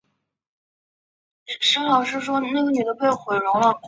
吐氏暗哲水蚤为厚壳水蚤科暗哲水蚤属下的一个种。